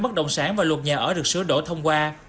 bất động sản và luật nhà ở được sửa đổi thông qua